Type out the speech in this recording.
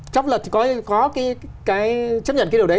chấp luật thì có chấp nhận cái điều đấy